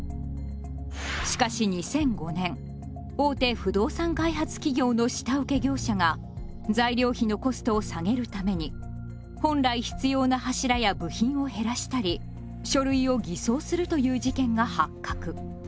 しかし２００５年大手不動産開発企業の下請け業者が材料費のコストを下げるために本来必要な柱や部品を減らしたり書類を偽装するという事件が発覚。